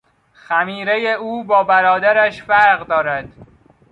خمیرهی او با برادرش فرق دارد.